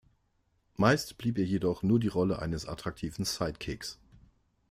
Meist blieb ihr jedoch nur die Rolle eines attraktiven Sidekicks.